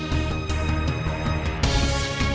ไม่ก็พิเศษมัน